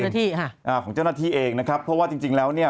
เจ้าหน้าที่ฮะของเจ้าหน้าที่เองนะครับเพราะว่าจริงแล้วเนี่ย